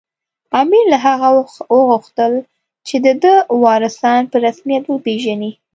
امیر له هغه وغوښتل چې د ده وارثان په رسمیت وپېژني.